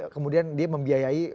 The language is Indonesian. kemudian dia membiayai